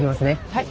はい。